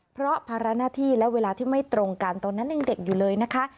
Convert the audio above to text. เพราะภาระหน้าที่และเวลาที่ไม่ตรงกันตอนนั้นยังเด็กอยู่เลยนะคะ